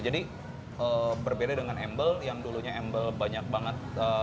jadi berbeda dengan embel yang dulunya embel banyak banget